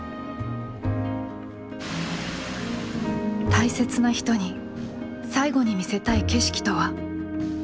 大切な人に最後に見せたい景色とは。